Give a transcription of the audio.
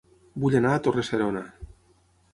Vull anar a Torre-serona